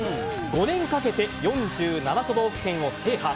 ５年かけて４７都道府県を制覇。